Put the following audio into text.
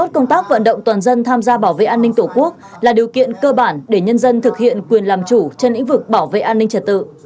công tác vận động toàn dân tham gia bảo vệ an ninh tổ quốc là điều kiện cơ bản để nhân dân thực hiện quyền làm chủ trên lĩnh vực bảo vệ an ninh trật tự